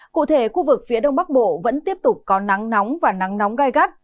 cụ thể khu vực phía đông bắc bộ vẫn tiếp tục có nắng nóng và nắng nóng gai gắt